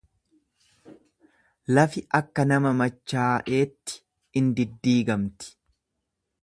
Lafi akka nama machaa'eetti in diddiigamti.